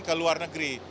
ke luar negeri